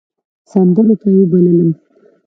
سندرو ته يې وبللم .